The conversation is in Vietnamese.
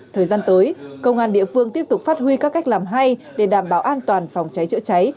thời gian tới công an địa phương tiếp tục phát huy các cách làm hay để đảm bảo an toàn phòng cháy chữa cháy